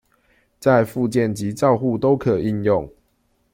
在復健及照護都可應用